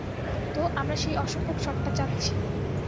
তো, আমরা সেই অসম্ভব শটটা চাচ্ছি।